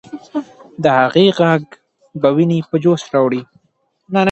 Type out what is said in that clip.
د هغې ږغ به ويني په جوش راوړي.